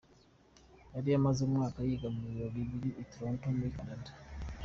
Yari amaze umwaka yiga mu Bitaro biri i Toronto muri Canada.